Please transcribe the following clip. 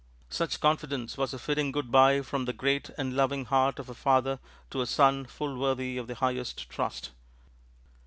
Such confidence was a fitting good by from the great and loving heart of a father to a son full worthy of the highest trust.